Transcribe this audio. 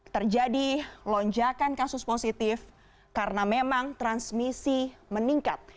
terjadi lonjakan kasus positif karena memang transmisi meningkat